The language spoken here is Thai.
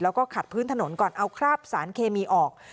แล้วก็ขัดพื้นถนนก่อนเอาคราบสารเคมีออก